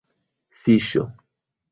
fiŝo